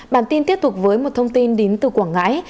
bản tin tiếp tục với một thông tin đến từ quảng ngãi